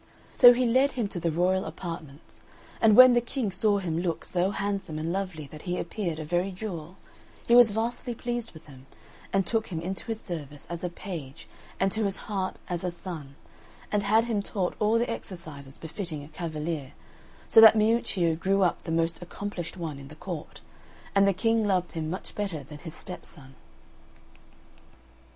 So he led him to the royal apartments; and when the King saw him look so handsome and lovely that he appeared a very jewel, he was vastly pleased with him, and took him into his service as a page and to his heart as a son, and had him taught all the exercises befitting a cavalier, so that Miuccio grew up the most accomplished one in the court, and the King loved him much better than his stepson.